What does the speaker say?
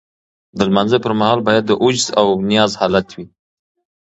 د لمانځه پر مهال باید د عجز او نیاز حالت وي.